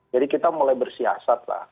jadi kita mulai bersiasat lah